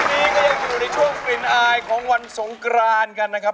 วันนี้ก็ยังอยู่ในช่วงกลิ่นอายของวันสงกรานกันนะครับ